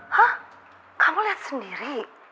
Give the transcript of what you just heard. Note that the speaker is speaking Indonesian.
hah kamu liat sendiri